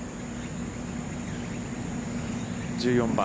１４番。